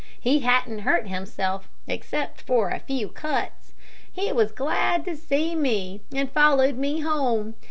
He hadn't hurt himself, except for a few cuts. He was glad to see me, and followed me home.